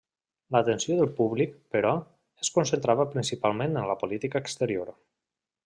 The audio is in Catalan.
L'atenció del públic, però, es concentrava principalment en la política exterior.